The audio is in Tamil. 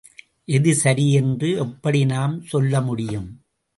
எது சரி என்று எப்படி நாம் சொல்லமுடியும்.